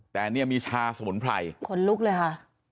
แต่เนี่ยมีชาสมุนไพรขนลุกเลยค่ะ